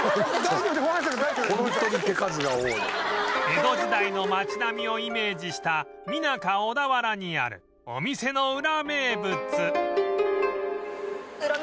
江戸時代の町並みをイメージしたミナカ小田原にあるお店のウラ名物